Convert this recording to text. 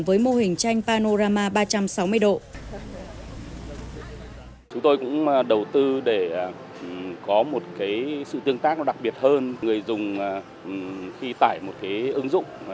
với mô hình tranh panorama ba trăm sáu mươi độ